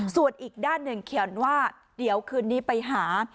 ส่วนอีกด้านหนึ่งเขียนว่าเดี๋ยวคืนนี้ไปหา